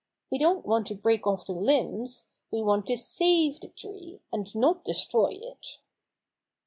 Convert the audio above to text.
"We don't want to break off the limbs. We want to save the tree, and not destroy it."